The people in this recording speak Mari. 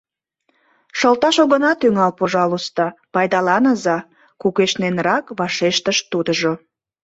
— Шылташ огына тӱҥал, пожалуйста, пайдаланыза, — кугешненрак вашештыш тудыжо.